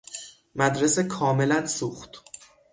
مدرسه کاملا سوخت.